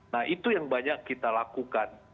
nah itu yang banyak kita lakukan